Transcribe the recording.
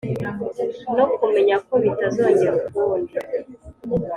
no kumenya ko bitazongera ukundi